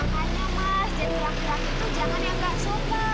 makanya mas jatuh yang kian itu jangan yang nggak suka